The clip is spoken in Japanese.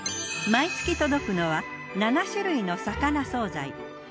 毎月届くのは７種類の魚惣菜。